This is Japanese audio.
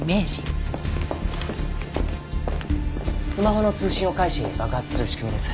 スマホの通信を介し爆発する仕組みです。